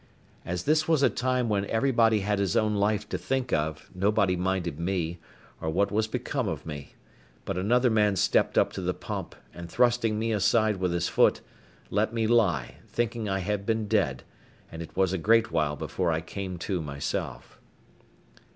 As this was a time when everybody had his own life to think of, nobody minded me, or what was become of me; but another man stepped up to the pump, and thrusting me aside with his foot, let me lie, thinking I had been dead; and it was a great while before I came to myself.